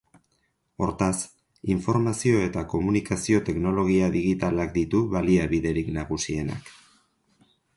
Hortaz, informazio eta komunikazio teknologia digitalak ditu baliabiderik nagusienak.